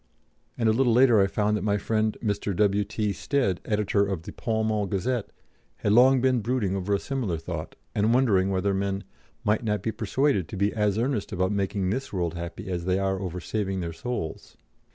And a little later I found that my friend Mr. W.T. Stead, editor of the Pall Mall Gazette, had long been brooding over a similar thought, and wondering whether men 'might not be persuaded to be as earnest about making this world happy as they are over saving their souls.'